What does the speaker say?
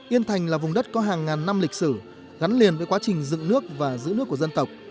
yên thành là vùng đất có hàng ngàn năm lịch sử gắn liền với quá trình dựng nước và giữ nước của dân tộc